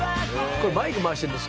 これマイク回してんです。